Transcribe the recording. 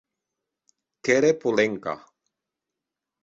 Qu’ère Polenka.